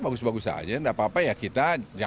memang harus mengilit ketua perdur forty four ini tekan